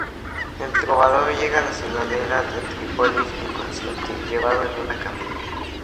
El trovador llega a la ciudadela de Tripolis inconsciente, llevado en una camilla.